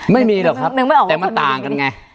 ไม่มีหรอกครับแต่มันต่างกันไง